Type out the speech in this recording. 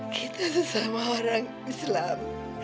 kita sesama orang islam